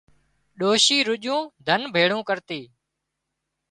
ڏوشي رُڄون ڌن ڀيۯون ڪرتي